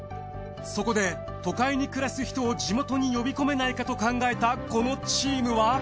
そこで都会に暮らす人を地元に呼び込めないかと考えたこのチームは。